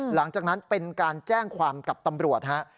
หลังจากนั้นเป็นการแจ้งความกับตำรวจฮะ